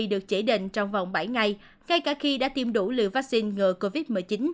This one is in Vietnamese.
được chỉ định trong vòng bảy ngày ngay cả khi đã tiêm đủ liều vaccine ngừa covid một mươi chín